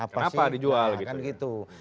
kenapa dijual gitu ya